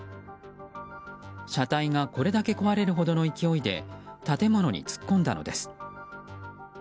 車体がこれだけ壊れるほどの勢いで建物に突っ込んだのです。